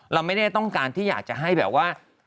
เราไม่ได้ต้องการที่อยากจะให้แบบว่า